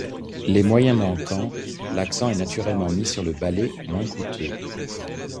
Les moyens manquant, l’accent est naturellement mis sur le ballet, moins coûteux.